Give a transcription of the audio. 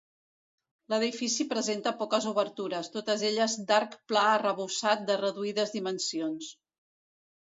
L'edifici presenta poques obertures, totes elles d'arc pla arrebossat de reduïdes dimensions.